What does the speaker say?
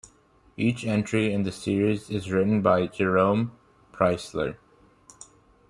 Each entry in the series is written by Jerome Preisler.